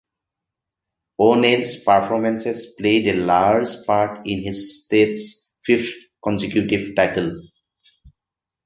O'Neill's performances played a large part in his state's fifth consecutive title.